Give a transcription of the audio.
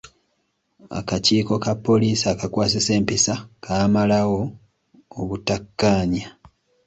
Akakiiko ka poliisi akakwasisa empisa kaamalawo obutakkaanya.